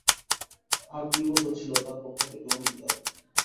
আর দুই বছর ছিল তার পক্ষ থেকে অঙ্গীকার।